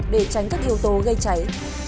để tránh các yếu tố gây cháy